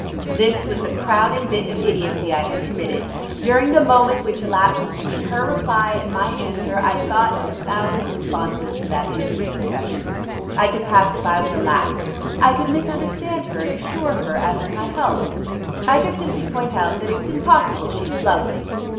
This was the crowning bit of idiocy I had committed. During the moment which elapsed between her reply and my answer I thought of a thousand responses to that innocent confession. I could pass it by with a laugh, I could misunderstand her and assure her as to my health, I could simply point out that it was impossible she could love me.